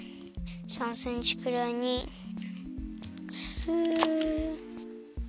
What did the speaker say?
３センチくらいにスッ。